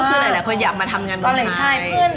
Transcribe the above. ก็คือหลายคนอยากมาทำงานที่ไทย